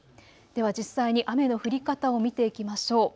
では実際に雨の降り方を見ていきましょう。